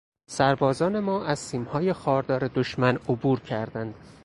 سربازان ما از سیمهای خاردار دشمن عبور کردند.